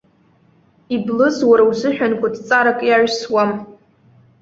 Иблыз уара узыҳәан кәытҵарак иаҩсуам.